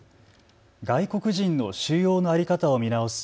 外国人の収容の在り方を見直す